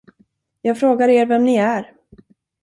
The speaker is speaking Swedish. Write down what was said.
Jag frågar er, vem ni är.